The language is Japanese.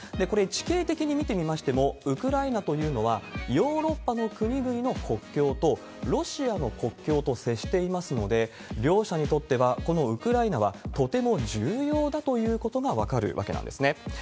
これ、地形的に見てみましても、ウクライナというのは、ヨーロッパの国々の国境と、ロシアの国境と接していますので、両者にとっては、このウクライナはとても重要だということが分かるわけなんですね。